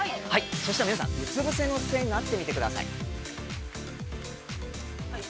そしたら皆さん、うつ伏せの姿勢になってみてください。